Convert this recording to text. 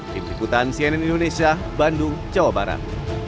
dari keputan cnn indonesia bandung jawa barat